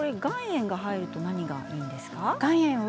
岩塩が入ると何がいいんですか？